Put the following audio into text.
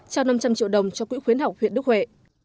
trao năm trăm linh triệu đồng cho quỹ khuyến học huyện đức huệ